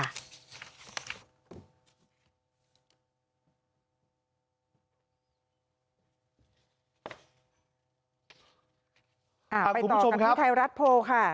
ไปต่อกันที่ไทยรัฐโพลค่ะ